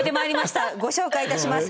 ご紹介いたします。